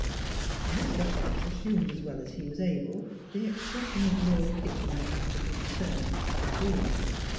" Mr. Hobbs assumed as well as he was able the expression of Lord Kitchener after his return from Khartoum.